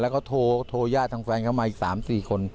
แล้วก็โทรญาติทางแฟนเขามาอีก๓๔คน